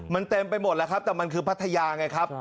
มันเต็มไปหมดแล้วครับแต่มันคือพัทยาไงครับ